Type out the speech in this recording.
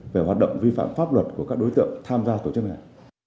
về hoạt động vi phạm pháp luật của các đối tượng tham gia tổ chức này